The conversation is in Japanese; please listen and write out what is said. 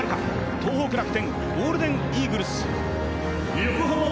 東北楽天ゴールデンイーグルス。